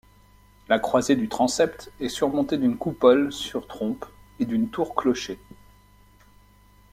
La croisée du transept est surmontée d'une coupole sur trompe et d'une tour-clocher.